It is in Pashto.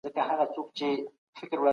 د جومات په منبر کي د شريعت احکام بيانيږي.